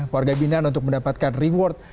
warga binaan untuk mendapatkan reward